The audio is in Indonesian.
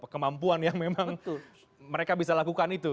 kemampuan yang memang mereka bisa lakukan itu